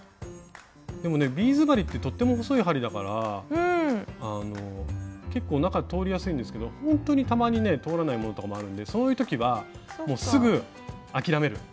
でもねビーズ針ってとっても細い針だから結構中通りやすいんですけどほんとにたまにね通らないものとかもあるんでそういう時はすぐ諦める。